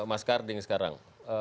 mas karding sekarang